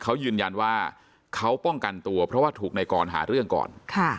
เขายืนยันว่าเขาป้องกันตัวเพราะว่าถูกในกรหาเรื่องก่อน